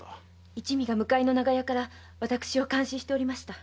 一味が向かいの長屋から私を監視しておりました。